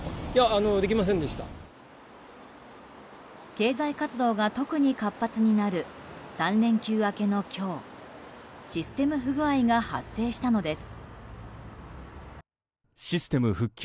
経済活動が特に活発になる３連休明けの今日システム不具合が発生したのです。